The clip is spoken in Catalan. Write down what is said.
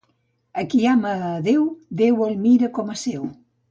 A qui ama a Déu, Déu el mira com a seu.